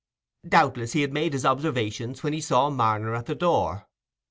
Doubtless, he had made his observations when he saw Marner at the door.